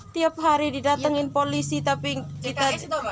tiap hari didatengin polisi tapi kita